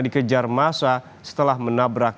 dikejar masa setelah menabrak